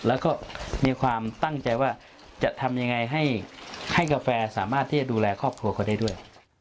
แล้วก็มีความตั้งใจว่าจะทำยังไงให้กาแฟสามารถที่จะดูแลครอบครัวเขาได้ด้วย